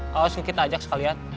kau harus ngekit ajak sekalian